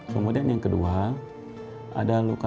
kemudian yang kedua ada luka otot yang terkena perutnya